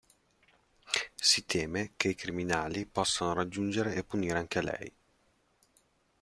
Si teme che i criminali possano raggiungere e punire anche lei.